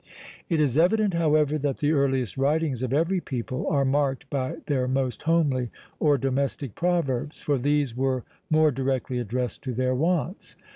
It is evident, however, that the earliest writings of every people are marked by their most homely, or domestic proverbs; for these were more directly addressed to their wants.